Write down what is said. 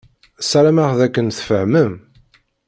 Ssarameɣ d akken tfehmem.